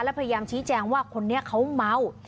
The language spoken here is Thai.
และพยายามชี้แจงว่าคนนี้เขาเมา